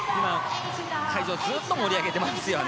会場をずっと盛り上げていますね。